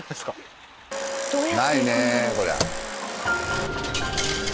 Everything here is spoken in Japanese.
ないねこりゃ。